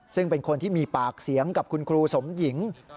ซึ่งเป็นคนที่มีปากเสียงกับคุณครูสมหญิง